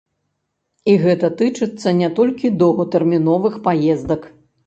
І гэта тычыцца не толькі доўгатэрміновых паездак.